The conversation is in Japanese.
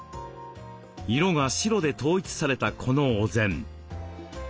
色が白で統一されたこのお膳。